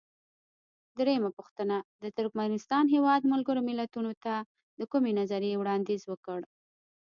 درېمه پوښتنه: د ترکمنستان هیواد ملګرو ملتونو ته د کومې نظریې وړاندیز وکړ؟